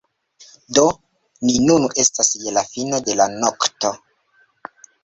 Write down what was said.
Do, ni nun estas je la fino de la nokto